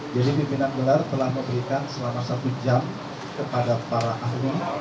jadi pimpinan gular telah memberikan selama satu jam kepada para ahli